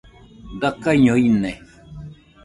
Dakaiño ine